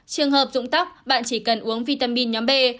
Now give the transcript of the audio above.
trường hợp dụng tóc bạn chỉ cần uống vitamin nhóm b